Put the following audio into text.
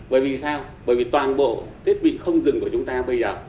bởi vì sao bởi vì toàn bộ thiết bị không dừng của chúng ta bây giờ